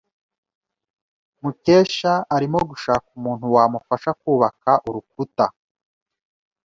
Mukesha arimo gushaka umuntu wamufasha kubaka urukuta.